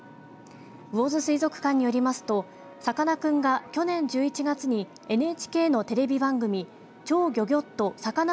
魚津水族館によりますとさかなクンが去年１１月にＮＨＫのテレビ番組超ギョギョッとサカナ★